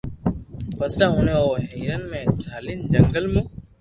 پسي اوڻي او ھيرن ني جالين جنگل مون